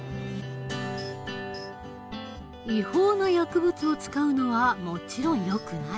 違法な薬物を使うのはもちろんよくない。